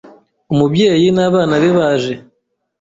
Umubyeyi n'abana be baje